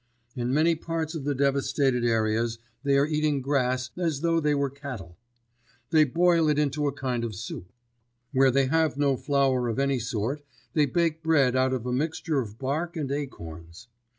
In many parts of the devastated areas they are eating grass as though they were cattle. They boil it into a kind of soup. Where they have no flour of any sort, they bake bread out of a mixture of bark and acorns.